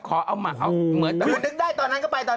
แขกแปบ